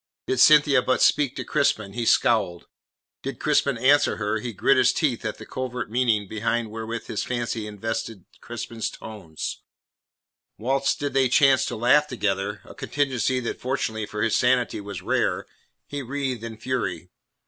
Did Cynthia but speak to Crispin, he scowled; did Crispin answer her, he grit his teeth at the covert meaning wherewith his fancy invested Crispin's tones; whilst did they chance to laugh together a contingency that fortunately for his sanity was rare he writhed in fury.